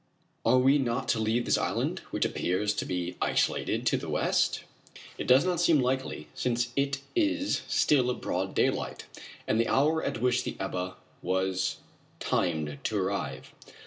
Are we not going to leave this island, which appears to be isolated, to the west? It does not seem likely, since it is still broad daylight, and the hour at which the Ebba was timed to arrive.